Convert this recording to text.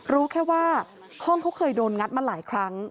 รู้แค่ว่าห้องเขาเคยโดนงัดมาหลายครั้ง